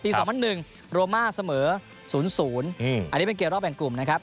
๒๐๐๑โรมาเสมอ๐๐อันนี้เป็นเกมรอบแบ่งกลุ่มนะครับ